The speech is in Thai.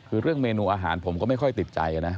คือเรื่องเมนูอาหารผมก็ไม่ค่อยติดใจนะ